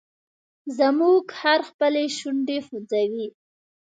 زموږ خر خپلې شونډې خوځوي.